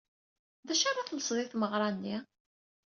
D acu ara telseḍ i tmeɣra-nni?